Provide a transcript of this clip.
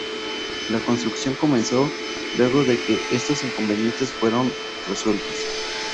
La construcción comenzó luego de que estos inconvenientes fueron resueltos.